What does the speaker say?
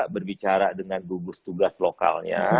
berbicara dengan gugus tugas lokalnya